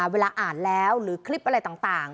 เวลาอ่านแล้วหรือคลิปอะไรต่าง